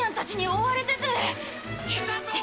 いたぞ！